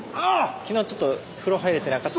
昨日ちょっと風呂入れてなかった。